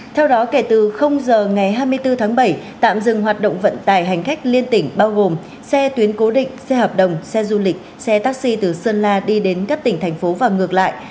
theo đó kể từ giờ ngày hai mươi bốn tháng bảy tạm dừng hoạt động vận tải hành khách liên tỉnh bao gồm xe tuyến cố định xe hợp đồng xe du lịch xe taxi từ sơn la đi đến các tỉnh thành phố và ngược lại